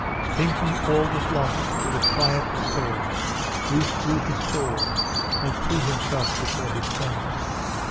Thinking all was lost, with a cry of despair, Bruce drew his sword, and threw himself before his friend.